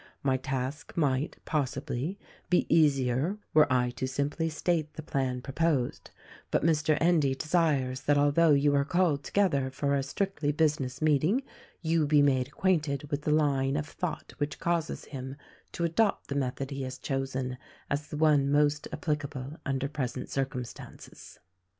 My task might, possibly, be easier were I to simply state the plan projxxsed, but Mr. Endy desires that although you are called together for a strictly business meeting, you be made acquainted with the line of thought which causes him THE RECORDING AXGEL 191 to adopt the method he has chosen as the one most applicable under present circumstances.